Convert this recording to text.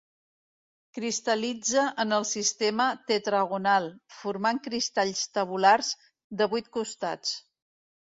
Cristal·litza en el sistema tetragonal, formant cristalls tabulars de vuit costats.